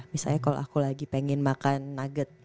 misalnya kalau aku lagi pengen makan nugget